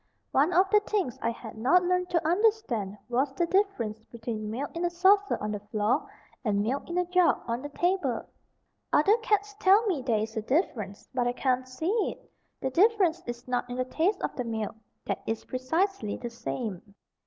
One of the things I had not learned to understand was the difference between milk in a saucer on the floor, and milk in a jug on the table. Other cats tell me there is a difference, but I can't see it. The difference is not in the taste of the milk that is precisely the same.